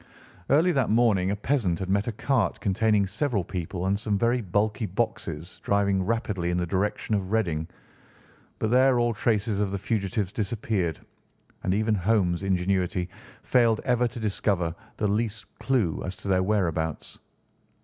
Early that morning a peasant had met a cart containing several people and some very bulky boxes driving rapidly in the direction of Reading, but there all traces of the fugitives disappeared, and even Holmes' ingenuity failed ever to discover the least clue as to their whereabouts.